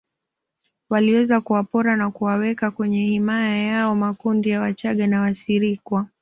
Waliweza kuwapora na kuwaweka kwenye himaya yao makundi ya wachaga na Wasirikwa